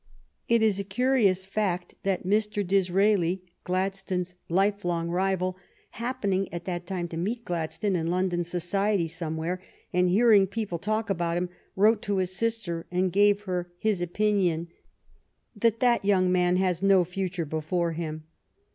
It is a curious fact that Mr. Dis raeli, Gladstone's lifelong rival, happening at that time to meet Gladstone in London society some where, and hearing people talk about him, wrote to his sister and gave her his opinion that " that young man has no future before him.''